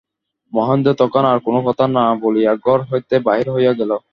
মহেন্দ্র তখন আর-কোনো কথা না বলিয়া ঘর হইতে বাহির হইয়া গেল।